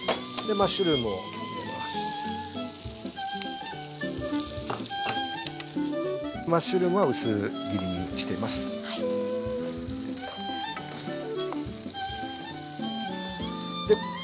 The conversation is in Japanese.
マッシュルームは薄切りにしてます。